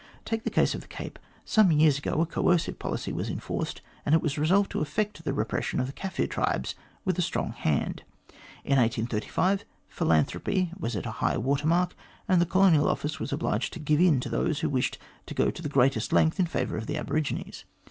Take the case of the Cape. Some years ago a coercive policy was enforced, and it was resolved to effect the repression of the Kaffir tribes with a strong hand. In 1835, philanthropy was at high water mark, and the Colonial Office was obliged to give in to those who wished to go the greatest length in favour of the aborigines.